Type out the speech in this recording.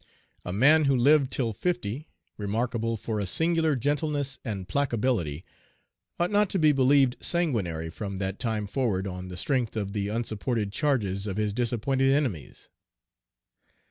A man who lived till fifty, remarkable for a singular gentleness and placability, ought not to be believed sanguinary from that time forward on the strength of the unsupported charges of his disappointed enemies.